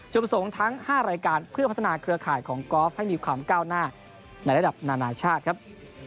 ประสงค์ทั้ง๕รายการเพื่อพัฒนาเครือข่ายของกอล์ฟให้มีความก้าวหน้าในระดับนานาชาติครับ